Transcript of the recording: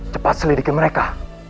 cepat selidiki mereka